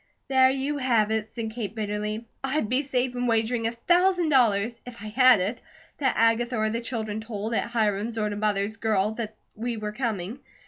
"There you have it!" said Kate, bitterly. "I'd be safe in wagering a thousand dollars, if I had it, that Agatha or the children told, at Hiram's or to Mother's girl, that we were coming.